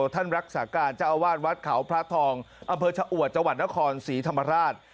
ท่านรักษาการเจ้าอาวาสวัดเขาพระทองอำเภอชะอวดจังหวัดนครศรีธรรมราช